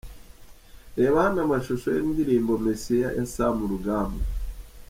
Reba hano amashusho y'indirimbo'Messia'ya Sam Rugamba .